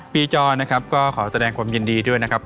จอนะครับก็ขอแสดงความยินดีด้วยนะครับ